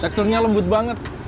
teksturnya lembut banget